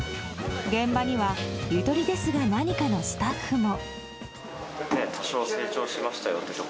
現場には「ゆとりですがなにか」のスタッフも。